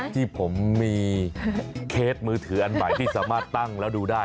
ที่ผมมีเคสมือถืออันใหม่ที่สามารถตั้งแล้วดูได้